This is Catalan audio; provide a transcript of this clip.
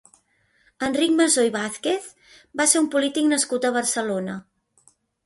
Enric Masó i Vázquez va ser un polític nascut a Barcelona.